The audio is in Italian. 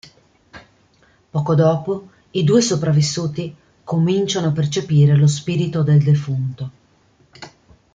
Poco dopo, i due sopravvissuti, cominciano a percepire lo spirito del defunto.